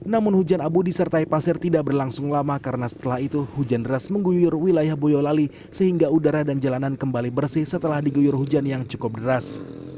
namun hujan abu disertai pasir tidak berlangsung lama karena setelah itu hujan deras mengguyur wilayah boyolali sehingga udara dan jalanan kembali bersih setelah diguyur hujan yang cukup deras